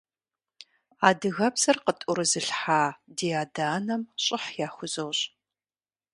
Адыгэбзэр къытӀурызылъхьа ди адэ-анэм щӀыхь яхузощӀ.